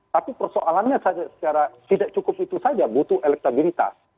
tapi persoalannya secara tidak cukup itu saja butuh elektabilitas